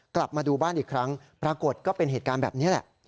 กลับมาดูบ้านอีกครั้งปรากฏก็เป็นเหตุการณ์แบบนี้แหละ